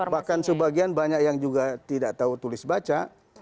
bahkan sebagian banyak yang juga tidak tahu tulis baca